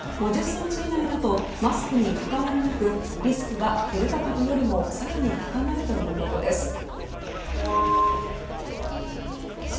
５０ｃｍ以内だとマスクにかかわりなくリスクはデルタ株よりも更に高まるということです。